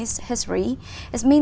chúng ta có